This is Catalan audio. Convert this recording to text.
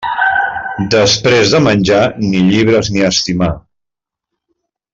Després de menjar, ni llibres ni estimar.